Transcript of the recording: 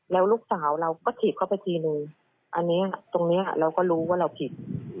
แล้วลูกสาวเราก็ถีบเข้าไปทีนึงอันนี้ตรงนี้เราก็รู้ว่าเราผิด